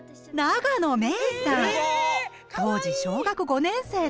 当時小学５年生でした。